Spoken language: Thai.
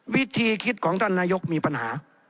วิธีคิดของท่านนายกมีปัญหา